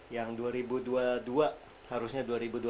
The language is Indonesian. yang dua ribu dua puluh dua harusnya dua ribu dua puluh dua